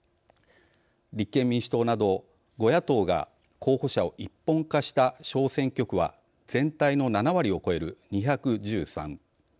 立憲民主党など５野党が候補者を一本化した小選挙区は全体の７割を超える２１３。